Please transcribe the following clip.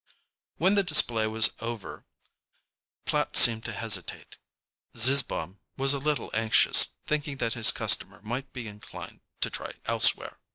When the display was over Platt seemed to hesitate. Zizzbaum was a little anxious, thinking that his customer might be inclined to try elsewhere.